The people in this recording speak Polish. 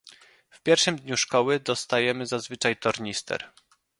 W pierwszym dniu szkoły dostajemy zazwyczaj tornister